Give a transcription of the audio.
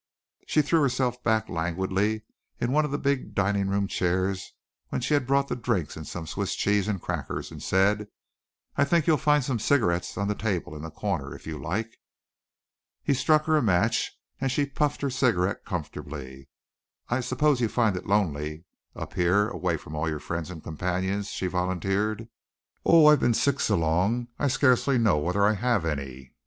She threw herself back languidly in one of the big dining room chairs when she had brought the drinks and some Swiss cheese and crackers, and said: "I think you'll find some cigarettes on the table in the corner if you like." He struck her a match and she puffed her cigarette comfortably. "I suppose you find it lonely up here away from all your friends and companions," she volunteered. "Oh, I've been sick so long I scarcely know whether I have any."